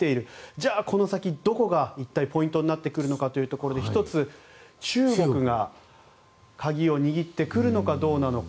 じゃあこの先、どこが一体ポイントになるのかということで１つ、中国が鍵を握ってくるのかどうか。